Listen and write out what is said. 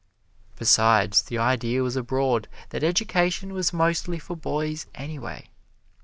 Besides, the idea was abroad that education was mostly for boys, anyway.